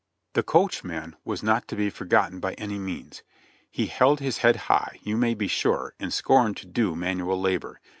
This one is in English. The coachman must not be forgotten by any means ! He held his head high, you may be sure, and scorned to do manual labor.